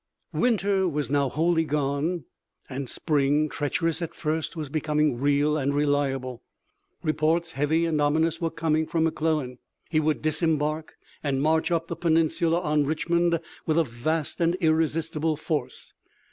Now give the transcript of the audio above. Winter was now wholly gone and spring, treacherous at first, was becoming real and reliable. Reports heavy and ominous were coming from McClellan. He would disembark and march up the peninsula on Richmond with a vast and irresistible force.